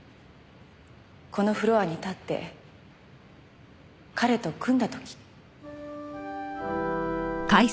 このフロアに立って彼と組んだ時。